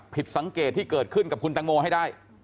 ผิดสังเกตที่เกิดขึ้นกับคุณตังโมให้ได้